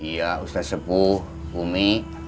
iya ustadz sepuh umi